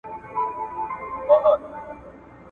پر هډوکو دي لړزه سي ته چي ښکلې نجوني ګورې ..